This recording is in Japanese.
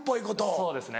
そうですね。